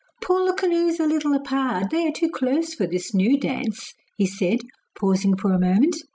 'Pull the canoes a little apart; they are too close for this new dance,' he said, pausing for a moment.